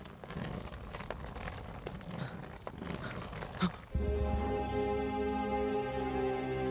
あっ！